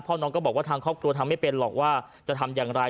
น้องก็บอกว่าทางครอบครัวทำไม่เป็นหรอกว่าจะทำอย่างไร